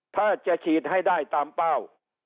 ถ้าจะฉีดให้ได้ตามเป้า